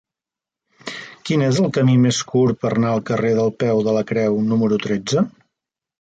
Quin és el camí més curt per anar al carrer del Peu de la Creu número tretze?